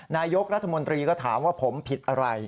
นายกรัฐมนตรีก็ถามว่าผมผิดอะไร